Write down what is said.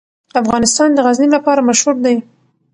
افغانستان د غزني لپاره مشهور دی.